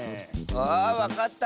あわかった。